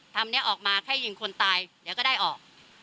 ทำนี้ออกมาแค่ยิงคนตายเดี๋ยวก็ได้ออก